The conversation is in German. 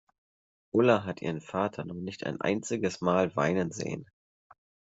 Ulla hat ihren Vater noch nicht ein einziges Mal weinen sehen.